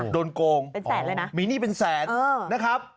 โดนโกงมีหนี้เป็นแสนนะครับ